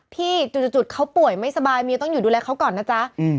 พี่จุดจุดจุดเขาป่วยไม่สบายเมียต้องอยู่ดูแลเขาก่อนนะจ๊ะอืม